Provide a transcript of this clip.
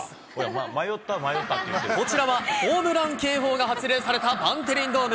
こちらはホームラン警報が発令されたバンテリンドーム。